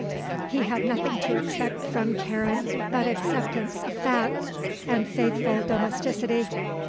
He had nothing to expect from Karen but acceptance of fact and faithful domesticity.